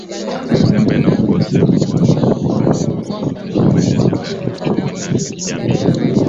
Uzembe na ukosefu wa nidhamu kazini huzorotesha maendeleo ya kiuchumi na kijamii